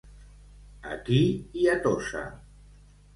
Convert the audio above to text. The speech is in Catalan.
Aquí i a Tossa.